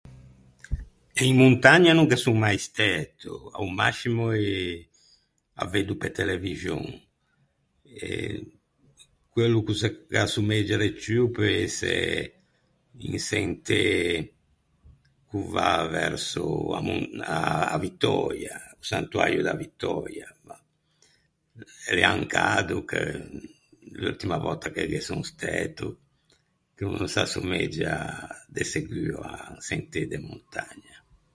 Eh in montagna no ghe son mai stæto. A-o mascimo eh â veddo pe televixon. Eh quello ch’o se gh’assomeggia de ciù o peu ëse un sentê ch’o va verso a mon- a Vittöia, Santuäio da Vittöia. Mah, e l’ea un cado che l’urtima vòtta che ghe son stæto, che o no s’assumeggia de seguo à un sentê de montagna.